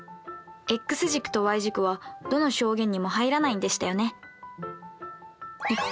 ｘ軸とｙ軸はどの象限にも入らないんでしたよね。